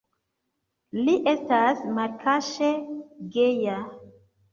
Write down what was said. Li estas malkaŝe geja.